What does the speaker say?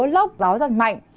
lốc gió rất mạnh